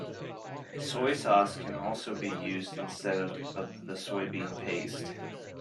Soy sauce can also be used instead of the soybean paste.